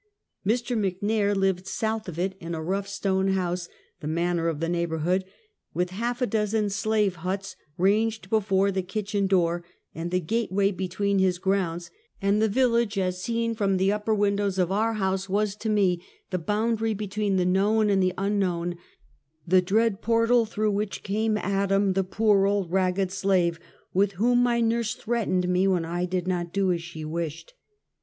Mr. McKair lived south of it in a rough stone house — the manor of the neighborhood — with half a dozen slave huts ranged before the kitchen door, and the gateway between his grounds and the village, as seen from the upper windows of our house, was, to me, the boundary between the kno^vn and the unknown, the dread por tal through which came Adam, the poor old ragged slave, with whom my nurse threatened me when I did not do as she wished.